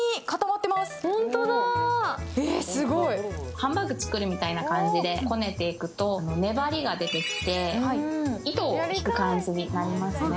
ハンバーグ作るみたいな感じでこねていくと粘りが出てきて、糸を引く感じになりますね。